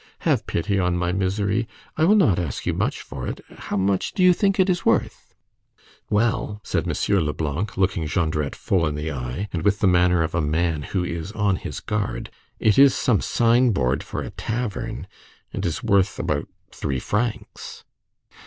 Have pity on my misery. I will not ask you much for it. How much do you think it is worth?" "Well," said M. Leblanc, looking Jondrette full in the eye, and with the manner of a man who is on his guard, "it is some signboard for a tavern, and is worth about three francs."